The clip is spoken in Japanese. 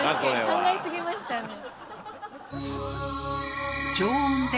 考えすぎましたね。